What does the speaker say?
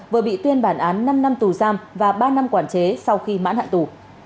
vừa bị tuyên bản án năm năm tù giam và ba năm quản chế sau khi mãn hạn tù